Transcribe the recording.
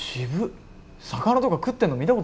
魚とか食ってんの見たことないけど。